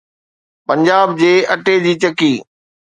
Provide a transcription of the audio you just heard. پنجاب جي اٽي جي چکی